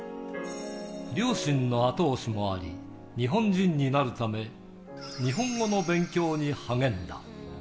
両親の後押しもあり、日本人になるため、日本語の勉強に励んだ。